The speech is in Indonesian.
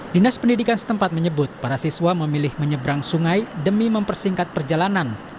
dinas pendidikan setempat menyebut para siswa memilih menyeberang sungai demi mempersingkat perjalanan